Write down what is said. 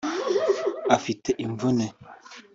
afite imvune”